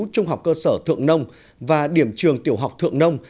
trung học cơ sở thượng nông và điểm trường tiểu học thượng nông